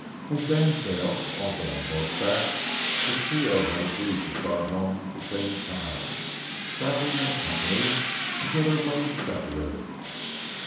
As Dansdale was also on horseback, the trio agreed to start home the same time, traveling in company until their ways separated.